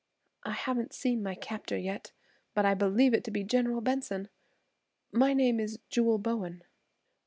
"I haven't seen my captor yet, but I believe it to be General Benson. My name is Jewel Bowen."